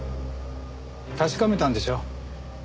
確かめたんでしょ？